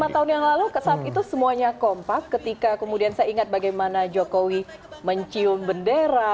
lima tahun yang lalu saat itu semuanya kompak ketika kemudian saya ingat bagaimana jokowi mencium bendera